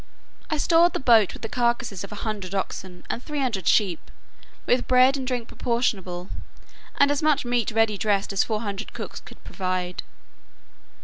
I stored the boat with the carcases of a hundred oxen, and three hundred sheep, with bread and drink proportionable, and as much meat ready dressed as four hundred cooks could provide.